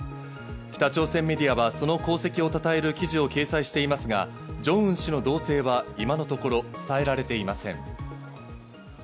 北朝鮮メディアはその功績をたたえる記事を掲載していますが、ジョンウン氏の動静は今のところ伝えられていません。